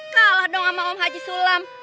kalah dong sama om haji sulam